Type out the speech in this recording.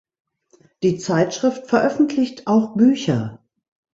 Die Zeitschrift veröffentlicht auch Bücher.